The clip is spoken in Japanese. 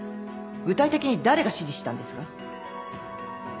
具体的に誰が指示したんですか。